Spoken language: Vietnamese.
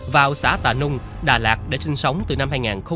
vào xã tà nung đà lạt để sinh sống từ năm hai nghìn một mươi